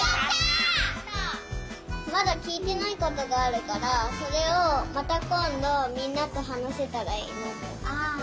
まだきいてないことがあるからそれをまたこんどみんなとはなせたらいいな。